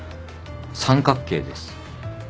三角形です。